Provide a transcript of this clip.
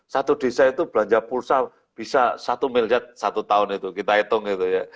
satu desa itu belanja pulsa bisa satu miliar satu tahun itu kita hitung itu ya